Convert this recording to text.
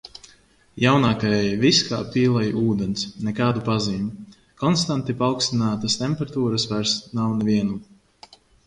Jaunākajai viss kā pīlei ūdens – nekādu pazīmju. Konstanti paaugstinātas temperatūras vairs nav nevienam.